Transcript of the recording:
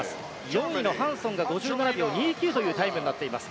４位のハンソンが５７秒２９というタイムになっています。